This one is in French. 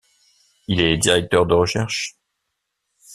Il est directeur de recherches.